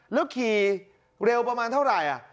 แล้วขี่เร็วประมาณเท่าไหร่